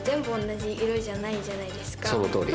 そのとおり。